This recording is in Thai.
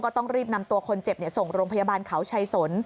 ต้องรีบนำตัวคนเจ็บส่งโรงพยาบาลเขาชัยสน